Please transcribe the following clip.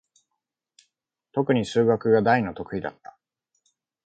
とくに数学が大の得意だった。